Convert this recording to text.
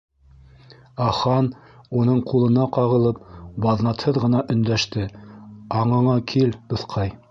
Ә Хан уның ҡулына ҡағылып, баҙнатһыҙ ғына өндәште: —Аңыңа кил, дуҫҡай!